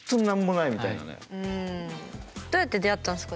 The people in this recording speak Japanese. どうやって出会ったんですか？